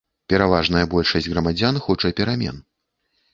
Пераважная большасць грамадзян хоча перамен.